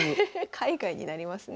海外になりますね。